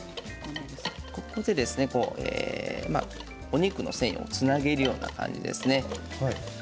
ここで、お肉の繊維をつなげるような感じですね。